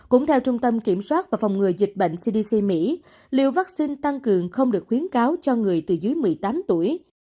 cũng theo trung tâm kiểm soát và phòng ngừa dịch bệnh cdc mỹ liều vaccine tăng cường không được khuyến cáo cho người từ dưới một mươi tám tuổi